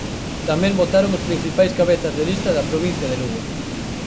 Tamén votaron os principais cabezas de lista da provincia de Lugo.